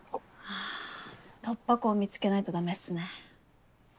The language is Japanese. ハァ突破口見つけないとダメっすね。